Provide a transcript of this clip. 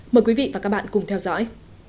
mời quý vị và các bạn cùng theo dõi